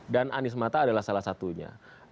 dan anies mata adalah salah satunya